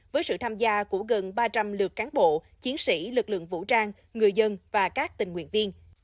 với sự tham gia của gần ba trăm linh lượt cán bộ chiến sĩ lực lượng vũ trang người dân và các tình nguyện viên